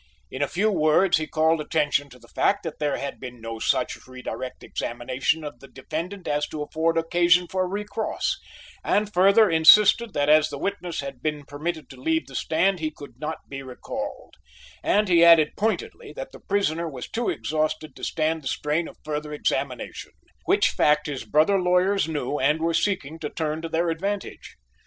In a few words he called attention to the fact that there had been no such re direct examination of the defendant as to afford occasion for re cross, and further insisted that as the witness had been permitted to leave the stand he could not be recalled; and he added pointedly that the prisoner was too exhausted to stand the strain of further examination which fact his brother lawyers knew and were seeking to turn to their advantage.